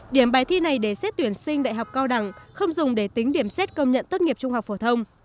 điểm bài thi này để xét tuyển sinh đại học cao đẳng không dùng để tính điểm xét công nhận tốt nghiệp trung học phổ thông